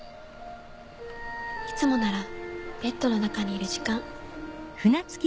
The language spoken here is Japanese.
いつもならベッドの中にいる時間。